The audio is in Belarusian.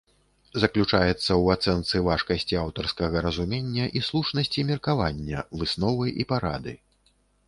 Заключаецца ў ацэнцы важкасці аўтарскага разумення і слушнасці меркавання, высновы і парады.